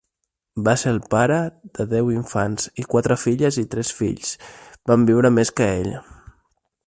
Va ser el pare de deu infants i quatre filles i tres fills van viure més que ell.